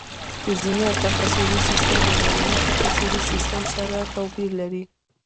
ښځینه تکثري سیستم د نارینه تکثري سیستم سره توپیر لري.